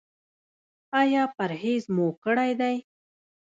ایا پرهیز مو کړی دی؟